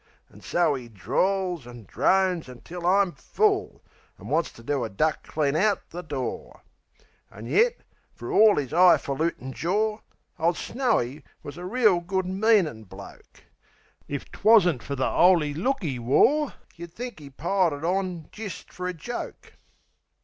An' so 'e drawls an' drones until I'm full, An' wants to do a duck clean out the door. An' yet, fer orl 'is 'igh falutin' jor, Ole Snowy wus a reel good meanin' bloke. If 'twasn't fer the 'oly look 'e wore Yeh'd think 'e piled it on jist fer a joke.